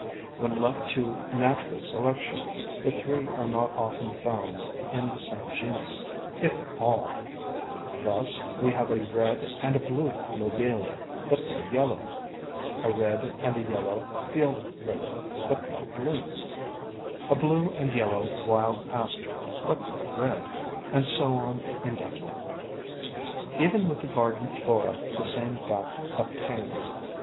When left to natural selection the three are not often found in the same genus, if at all. Thus we have a red and a blue Lobelia, but no yellow; a red and a yellow Field Lily, but no blue; a blue FLOWERS OF THE SUN 223 and yellow wild Aster, but no red; and so on in definitely. Even with the garden flora the same fact obtains.